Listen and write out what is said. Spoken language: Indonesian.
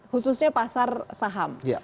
khususnya pasar saham